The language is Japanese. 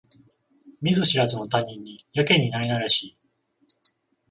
見ず知らずの他人にやけになれなれしい